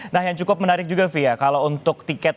nah yang cukup menarik juga fia kalau untuk tiket